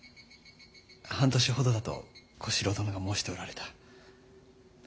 半年ほどだと小四郎殿が申しておられた。